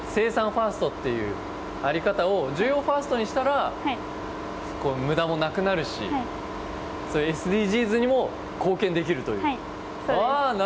ファーストという在り方を需要ファーストにしたら無駄もなくなるしＳＤＧｓにも貢献できるという。